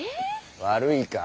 ⁉悪いか？